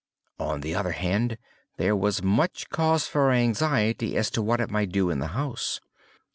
On the other hand, there was much cause for anxiety as to what it might do in the house.